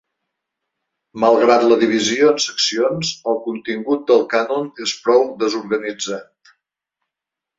Malgrat la divisió en seccions, el contingut del cànon és prou desorganitzat.